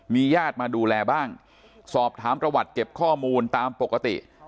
ญาติมาดูแลบ้างสอบถามประวัติเก็บข้อมูลตามปกติ